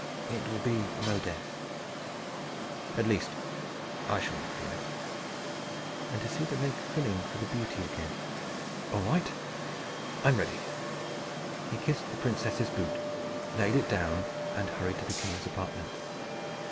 It will be no death. At least, I shall not feel it. And to see the lake filling for the beauty again! All right! I am ready." He kissed the princess's boot, laid it down, and hurried to the king's apartment.